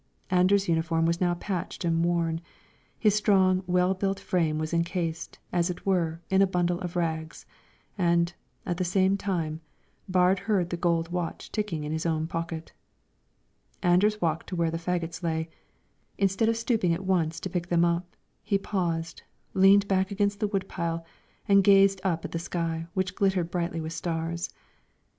Anders' uniform was now patched and worn; his strong, well built frame was encased, as it were, in a bundle of rags; and, at the same time, Baard heard the gold watch ticking in his own pocket. Anders walked to where the fagots lay; instead of stooping at once to pick them up, he paused, leaned back against the wood pile and gazed up at the sky, which glittered brightly with stars.